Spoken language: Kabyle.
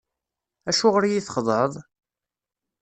Acuɣer i yi-txedɛeḍ?